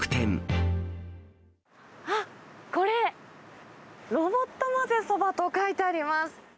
あっ、これ、ロボットまぜそばと書いてあります。